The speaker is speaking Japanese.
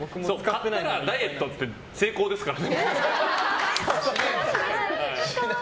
買ったらダイエットって成功ですからね。